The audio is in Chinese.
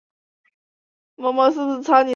异被地杨梅为灯心草科地杨梅属下的一个种。